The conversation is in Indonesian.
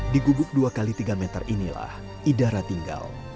di gubuk dua x tiga meter inilah idara tinggal